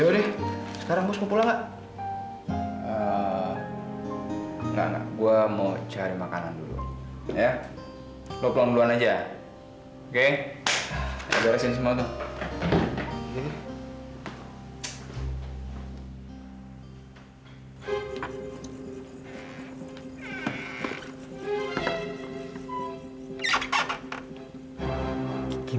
terima kasih banyak banyak